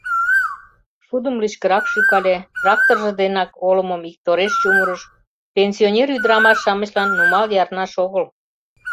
Шудым лишкырак шӱкале, тракторжо денак олымым иктореш чумырыш — пенсионер ӱдырамаш-шамычлан нумал ярнаш огыл.